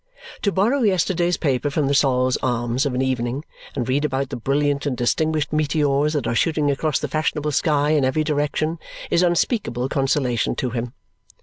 To borrow yesterday's paper from the Sol's Arms of an evening and read about the brilliant and distinguished meteors that are shooting across the fashionable sky in every direction is unspeakable consolation to him.